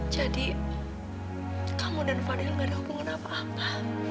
jadi kamu dan fadhil gak ada hubungan apa apa